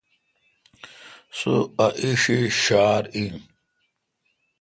سو ا ایݭی ݭار ا۔ ین